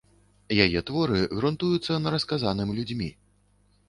Яе творы грунтуюцца на расказаным людзьмі.